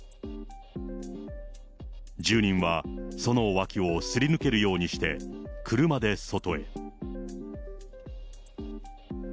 住人はその脇をすり抜けるようにして、車で外へ。